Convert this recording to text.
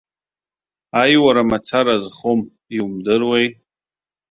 Аиуара мацарагьы азхом, иумдыруеи.